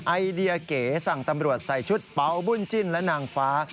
ไอเดียเก๋สั่งตำรวจใส่ชุดเป๋าบุญจิ้นและนางฟ้า